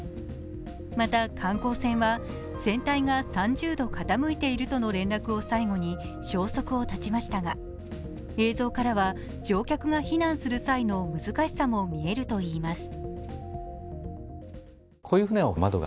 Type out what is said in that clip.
また、観光船は船体が３０度傾いているとの連絡を最後に消息を絶ちましたが、映像からは乗客が避難する際の難しさも見えるといいます。